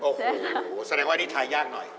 โอ้โฮแสดงว่านี่ทายยากหน่อย